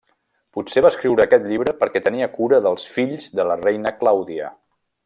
Potser va escriure aquest llibre perquè tenia cura dels fills de la reina Clàudia.